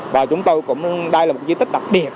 và chúng tôi cũng đây là một di tích đặc biệt